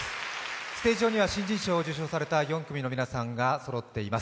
ステージ上には新人賞を受賞された４組の皆さんがそろっています。